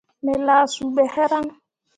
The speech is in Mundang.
Me lah suu ɓe hǝraŋ.